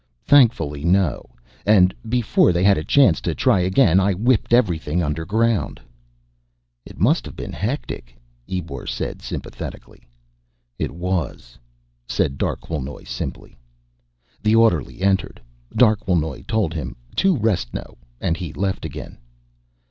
"Thankfully, no. And before they had a chance to try again, I whipped everything underground." "It must have been hectic," Ebor said sympathetically. "It was," said Darquelnoy simply. The orderly entered. Darquelnoy told him, "Two restno," and he left again.